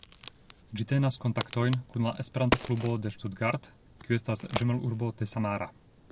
Ĝi tenas kontaktojn kun la esperanto-klubo de Stuttgart, kiu estas ĝemelurbo de Samara.